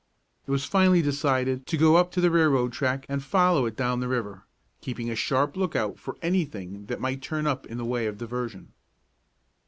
It was finally decided to go up to the railroad track and follow it down the river, keeping a sharp lookout for anything that might turn up in the way of diversion.